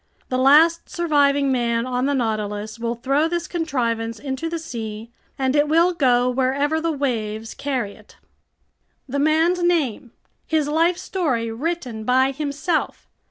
The last surviving man on the Nautilus will throw this contrivance into the sea, and it will go wherever the waves carry it." The man's name! His life story written by himself!